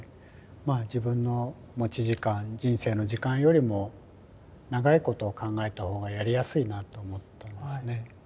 まあ自分の持ち時間人生の時間よりも長いことを考えた方がやりやすいなと思ったんですね。